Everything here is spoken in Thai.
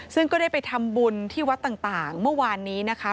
ซึ่งก็ได้ไปทำบุญที่วัดต่างเมื่อวานนี้นะคะ